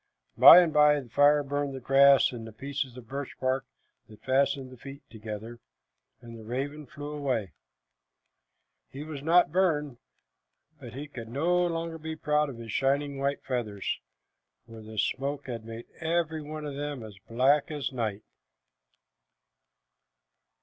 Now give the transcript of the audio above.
By and by the fire burned the grass and the pieces of birch bark that fastened his feet together, and the raven flew away. He was not burned, but he could no longer be proud of his shining white feathers, for the smoke had made every one of them as black as night.